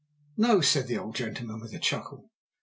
"No," said the old gentleman with a chuckle.